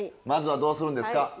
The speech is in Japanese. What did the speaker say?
まずはどうするんですか？